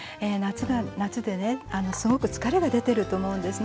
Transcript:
夏でねすごく疲れが出てると思うんですね。